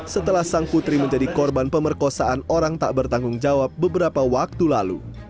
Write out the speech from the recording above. setelah sang putri menjadi korban pemerkosaan orang tak bertanggung jawab beberapa waktu lalu